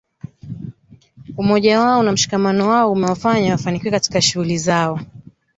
Umoja wao na mshikamano umewafanya wafanikiwe katika shughuli zao